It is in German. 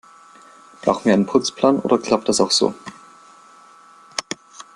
Brauchen wir einen Putzplan, oder klappt das auch so?